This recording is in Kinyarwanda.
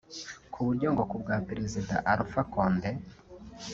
ku buryo ngo kubwa Perezida Alpha Condé